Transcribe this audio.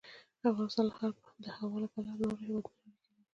افغانستان د هوا له پلوه له نورو هېوادونو سره اړیکې لري.